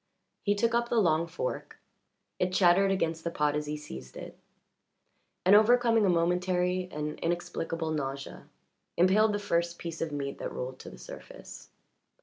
He took up the long fork it chattered against the pot as he seized it and, overcoming a momentary and inexplicable nausea, impaled the first piece of meat that rolled to the surface.